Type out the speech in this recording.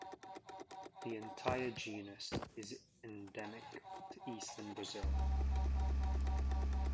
The entire genus is endemic to eastern Brazil.